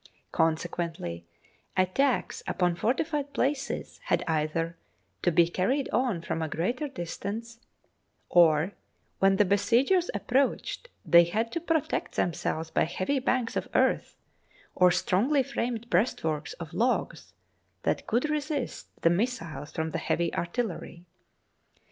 Consequently attacks upon fortified places had either to be carried on from a greater distance, or when the besiegers ap proached they had to protect themselves by heavy banks of earth or strongly framed breastworks of logs that would resist the missiles from the heavy artillery.